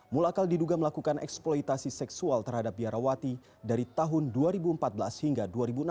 mulakal diduga melakukan eksploitasi seksual terhadap biarawati dari tahun dua ribu empat belas hingga dua ribu enam belas